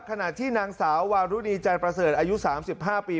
ขณะที่นางสาววารุณีจันประเสริฐอายุ๓๕ปี